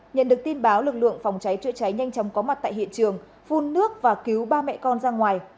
nhận được tin báo lực lượng phòng cháy chữa cháy nhanh chóng có mặt tại hiện trường phun nước và cứu ba mẹ con ra ngoài